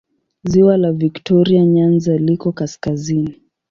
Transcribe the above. Ziwa la Viktoria Nyanza liko kaskazini.